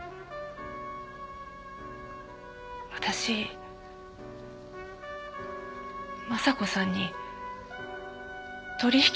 私昌子さんに取引を提案したんです。